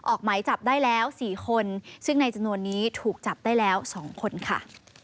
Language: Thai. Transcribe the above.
ออกหมายจับได้แล้ว๔คนซึ่งในจำนวนนี้ถูกจับได้แล้ว๒คนค่ะ